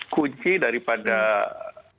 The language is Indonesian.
kunci daripada angka kematian